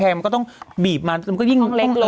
มันก็ต้องบีบมามันก็ยิ่งต้อง